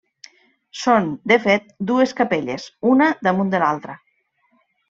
Són, de fet, dues capelles, una damunt de l'altra.